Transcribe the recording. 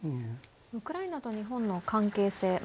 ウクライナと日本の関係性